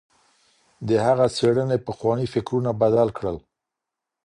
د هغه څېړنې پخواني فکرونه بدل کړل.